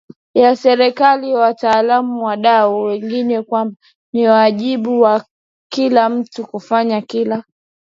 ya serikali wataalamu na wadau wengine kwamba ni wajibu wa kila mtu kufanya kila